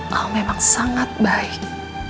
mas al memang sangat baik